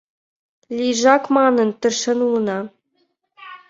Лийжак манын, тыршен улына.